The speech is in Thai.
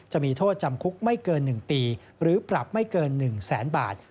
จะมีโทษจำคุกไม่เกิน๑ปีหรือปรับไม่เกิน๑แสนบาท